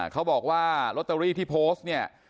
เขาบอกว่าลอตเตอรี่ที่โพสต์เนี่ย